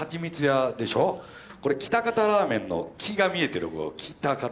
これ喜多方ラーメンの「喜」が見えてる喜多方。